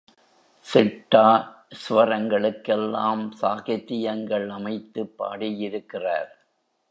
சிட்டா ஸ்வரங்களுக்கெல்லாம் சாகித்தியங்கள் அமைத்துப் பாடியிருக்கிறார்.